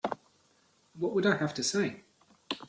What would I have to say?